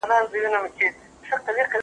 زه به اوږده موده موبایل کار کړی وم!